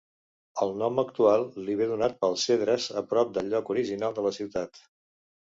El nom actual li ve donat pel cedres a prop del lloc original de la ciutat.